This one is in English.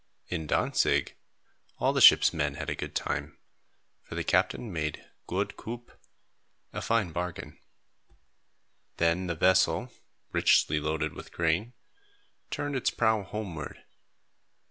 In Dantzig, all the ship's men had a good time, for the captain made "goed koop" (a fine bargain). Then the vessel, richly loaded with grain, turned its prow homeward.